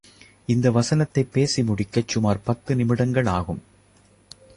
இந்த வசனத்தைப் பேசி முடிக்கச் சுமார் பத்து நிமிடங்கள் ஆகும்.